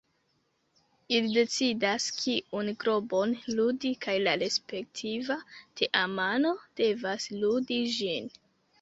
Ili decidas kiun globon ludi kaj la respektiva teamano devas ludi ĝin.